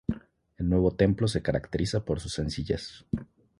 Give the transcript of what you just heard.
El nuevo templo se caracteriza por su sencillez.